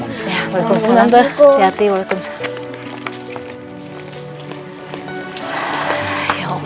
waalaikumsalam hati hati waalaikumsalam